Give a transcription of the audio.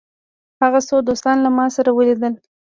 هغه څو دوستان له ما سره ولیدل.